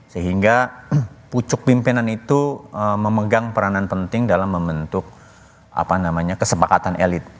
sehingga pucuk pimpinan itu memegang peranan penting dalam membentuk kesepakatan elit